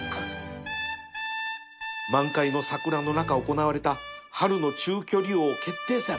満開の桜の中行われた春の中距離王決定戦